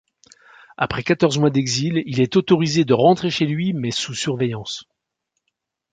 Après quatorze mois d'exil, il est autorisé de rentrer chez lui, mais sous surveillance.